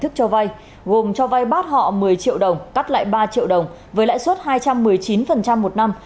thức cho vay gồm cho vay bát họ một mươi triệu đồng cắt lại ba triệu đồng với lãi suất hai trăm một mươi chín một năm